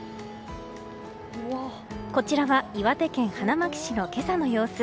こちらは岩手県花巻市の今朝の様子。